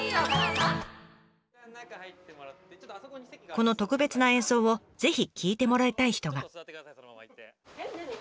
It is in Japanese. この特別な演奏をぜひ聴いてもらいたい人が。